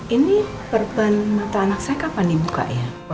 ini perban mata anak saya kapan dibuka ya